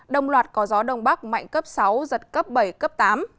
đồng loạt có gió đông bắc mạnh cấp sáu giật cấp bảy cấp tám